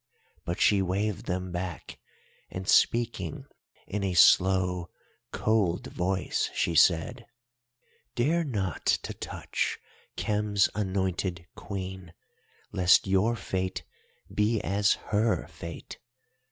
But she waved them back, and, speaking in a slow, cold voice, she said: "'Dare not to touch Khem's anointed Queen lest your fate be as her fate.